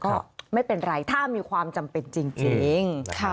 ก็ไม่เป็นไรถ้ามีความจำเป็นจริง